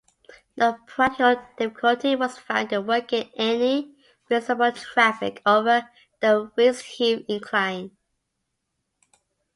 No practical difficulty was found in working any reasonable traffic over the Wheatsheaf Incline.